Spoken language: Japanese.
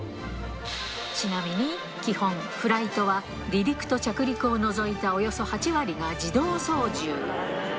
ちなみに基本フライトは離陸と着陸を除いたおよそ８割が自動操縦。